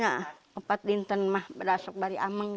ya saya bisa menenun dengan berdasarkan keamanan